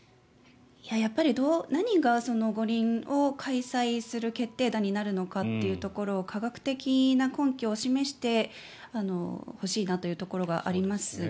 やっぱり何が五輪を開催する決定打になるのかというところを科学的な根拠を示してほしいなというところがありますね。